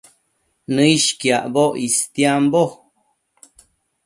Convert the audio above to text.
Nëishquiacboc istiambo